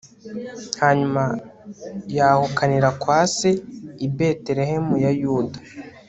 hanyuma yahukanira kwa se i betelehemu ya yuda